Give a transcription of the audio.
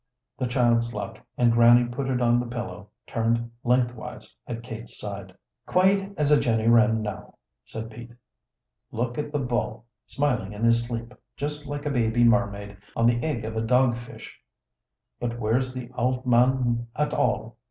The child slept, and Grannie put it on the pillow turned lengthwise at Kate's side. "Quiet as a Jenny Wren, now," said Pete. "Look at the bogh smiling in his sleep. Just like a baby mermaid on the egg of a dogfish. But where's the ould man at all?